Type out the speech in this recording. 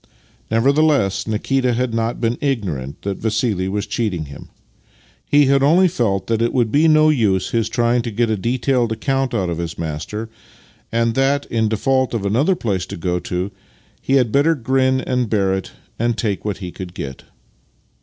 Nevertheless Nikita had not been ignorant that Vassili was cheating him. He had only felt that it would be no use his trying to get a detailed account out of his master, and that, in default of another place to go to, he had better grin and bear it and take what he could get.